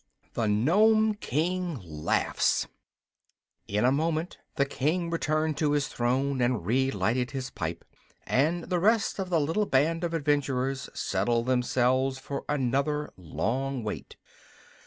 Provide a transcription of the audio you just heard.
The Nome King Laughs In a moment the King returned to his throne and relighted his pipe, and the rest of the little band of adventurers settled themselves for another long wait.